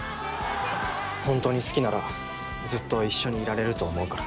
本当に好きならずっと一緒にいられると思うから。